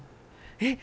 えっ！